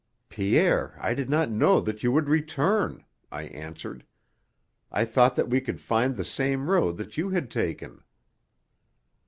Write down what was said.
"Pierre, I did not know that you would return," I answered. "I thought that we could find the same road that you had taken."